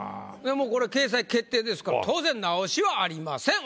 もうこれ掲載決定ですから当然直しはありません。